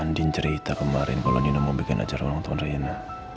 andin cerita kemarin kalau nina mau bikin acara ulang tahun rena